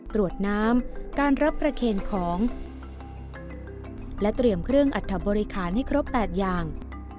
ตรวจน้ำการรับประเคนของและเตรียมเครื่องอัฐบริคารให้ครบ๘อย่าง